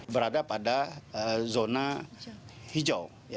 berada pada zona hijau